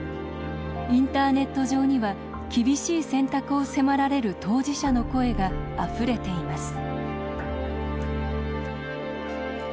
インターネット上には厳しい選択を迫られる当事者の声があふれています